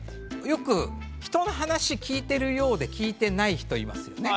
よく人の話聞いてるようで聞いてない人いますよね？